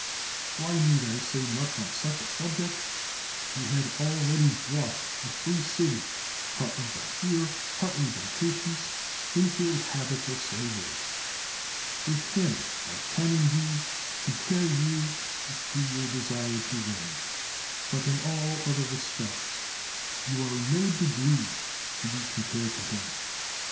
Why need I say much on such a subject? He had already brought a free city, partly by fear, partly by patience, into a habit of slavery. With him I can, indeed, compare you as to your desire to reign ; but in all other respects you are in no degree to be compared to him.